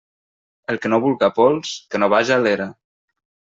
El que no vulga pols, que no vaja a l'era.